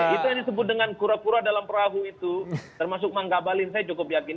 itu yang disebut dengan kura kura dalam perahu itu termasuk mangga balin saya cukup yakin